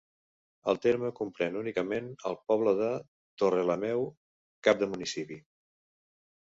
El terme comprèn únicament el poble de Torrelameu, cap de municipi.